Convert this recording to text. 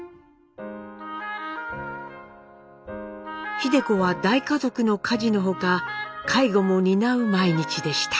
秀子は大家族の家事の他介護も担う毎日でした。